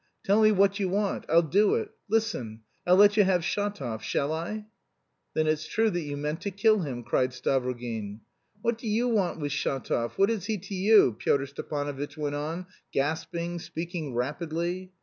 Tell me what you want. I'll do it. Listen. I'll let you have Shatov. Shall I?" "Then it's true that you meant to kill him?" cried Stavrogin. "What do you want with Shatov? What is he to you?" Pyotr Stepanovitch went on, gasping, speaking rapidly.